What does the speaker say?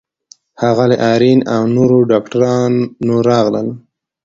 ښاغلی آرین او نورو ډاکټرانو راغلل.